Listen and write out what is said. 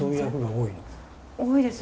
多いです。